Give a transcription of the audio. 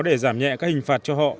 để giảm nhẹ các hình phạt cho họ